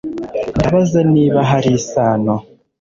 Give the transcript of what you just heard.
Ndabaza niba hari isano